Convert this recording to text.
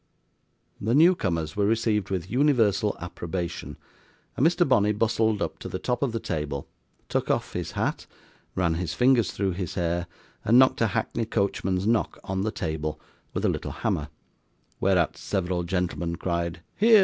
The new comers were received with universal approbation, and Mr. Bonney bustled up to the top of the table, took off his hat, ran his fingers through his hair, and knocked a hackney coachman's knock on the table with a little hammer: whereat several gentlemen cried 'Hear!